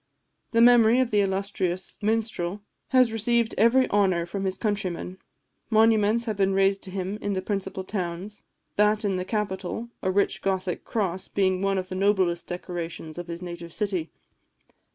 The memory of the illustrious Minstrel has received every honour from his countrymen; monuments have been raised to him in the principal towns that in the capital, a rich Gothic cross, being one of the noblest decorations of his native city.